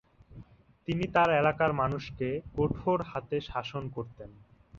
তিনি তার এলাকার মানুষকে কঠোর হাতে শাসন করতেন।